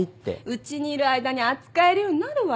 うちにいる間に扱えるようになるわよ。